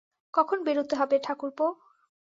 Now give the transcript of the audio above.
– কখন বেরোতে হবে ঠাকুরপো?